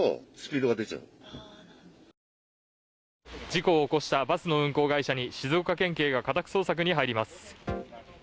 事故を起こしたバスの運行会社に静岡県警が家宅捜索に入ります。